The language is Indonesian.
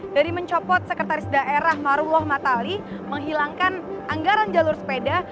dari mencopot sekretaris daerah marullah matali menghilangkan anggaran jalur sepeda